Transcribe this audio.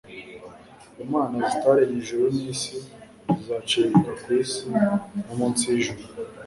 Imana zitaremye ijuru nisi zizacibwa ku isi no munsi yijuru